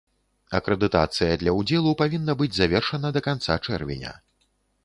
Акрэдытацыя для ўдзелу павінна быць завершана да канца чэрвеня.